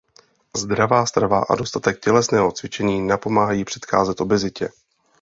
Zdravá strava a dostatek tělesného cvičení napomáhají předcházet obezitě.